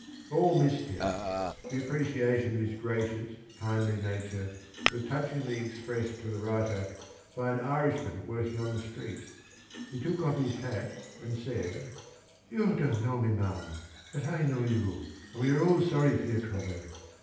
All missed him. The appreciation of his gra cious, kindly nature was touchingly expressed to the writer by an Irishman working on the street. He took off his hat and said, "You don't know me, ma'am, but I know you, and we are all sorry for your trouble.